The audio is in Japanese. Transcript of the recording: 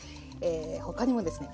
他にもですね